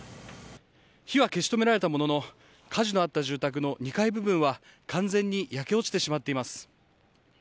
火は消し止められたものの火事のあった住宅の２階部分は完全に焼け落ちてしまっています。